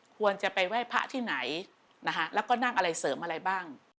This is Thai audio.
ควรจะไปไหว้พระที่ไหนนะคะแล้วก็นั่งอะไรเสริมอะไรบ้าง